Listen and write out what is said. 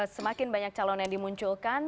semakin banyak calon yang dimunculkan